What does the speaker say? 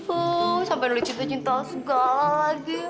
uh sampe dulu cinta cinta segala lagi